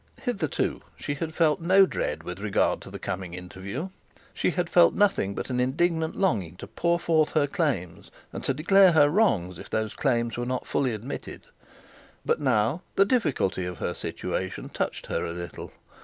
Hitherto she had felt no dread with regard to the coming interview. She had felt nothing but an indignant longing to pour forth her claims, and declare her wrongs, if those claims were not fully admitted. But now the difficulty of her situation touched her a little.